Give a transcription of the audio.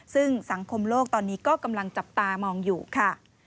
ซึ่งสังคมโลกตอนนี้ก็กำลังจับตามองอยู่ค่ะ